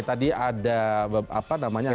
jadi ada apa namanya